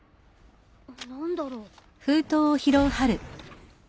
何だろう。